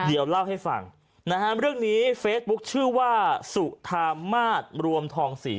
เดี๋ยวเล่าให้ฟังนะฮะเรื่องนี้เฟซบุ๊คชื่อว่าสุธามาศรวมทองศรี